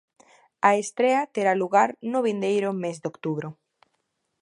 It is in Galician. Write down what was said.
A estrea terá lugar no vindeiro mes de outubro.